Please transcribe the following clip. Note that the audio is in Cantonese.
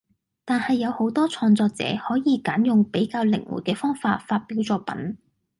但係有好多創作者可以揀用比較靈活嘅方法發表作品